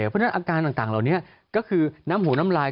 เพราะฉะนั้นอาการต่างเหล่านี้ก็คือน้ำหัวน้ำลาย